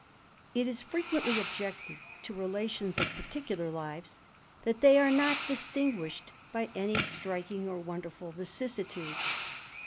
It is frequently objected to relations of particular lives, that they are not distinguished by any striking or wonderful vicissitudes.